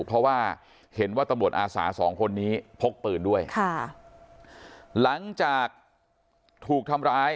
เพราะว่าเห็นว่าตำรวจอาสาสองคนนี้พกปืนด้วยค่ะหลังจากถูกทำร้าย